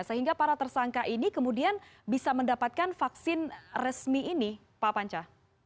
sehingga para tersangka ini kemudian bisa mendapatkan vaksin resmi ini pak panca